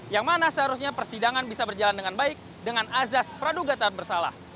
yang mana seharusnya persidangan bisa berjalan dengan baik dengan azas praduga tak bersalah